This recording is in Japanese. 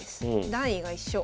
段位が一緒。